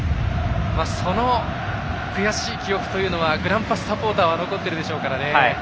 その悔しい記憶はグランパスサポーターは残っているでしょうから。